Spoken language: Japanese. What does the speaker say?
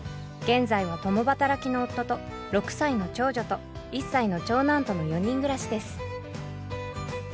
現在は共働きの夫と６歳の長女と１歳の長男との４人暮らしです。